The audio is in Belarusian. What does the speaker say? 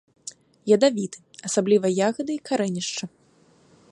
Ядавіты, асабліва ягады і карэнішча.